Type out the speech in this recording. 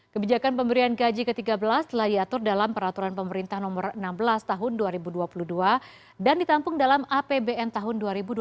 kebijakan pemberian gaji ke tiga belas telah diatur dalam peraturan pemerintah nomor enam belas tahun dua ribu dua puluh dua dan ditampung dalam apbn tahun dua ribu dua puluh